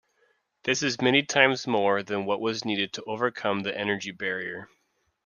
This is many times more than what was needed to overcome the energy barrier.